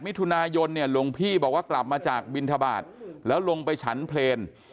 มิถุนายนเนี่ยหลวงพี่บอกว่ากลับมาจากบินทบาทแล้วลงไปฉันเพลง